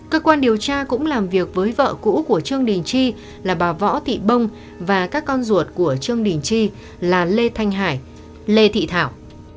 cơ quan điều tra cũng làm việc với vợ cũ của trương đình chi là bà võ thị bông và các con ruột của trương đình chi là lê thanh hải lê thị thảo